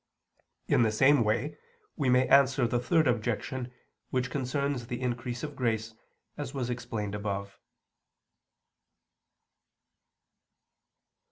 In the same way may we answer the third objection which concerns the increase of grace, as was explained above.